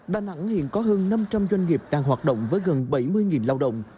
đà nẵng hiện có hơn năm trăm linh doanh nghiệp đang hoạt động với gần bảy mươi lao động